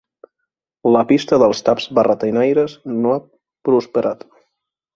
La pista dels taps barretinaires no ha prosperat.